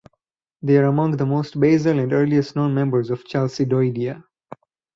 They are among the most basal and earliest known members of Chalcidoidea.